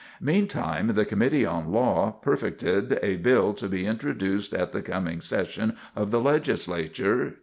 Meantime the Committee on Law perfected a bill to be introduced at the coming session of the Legislature, 1865.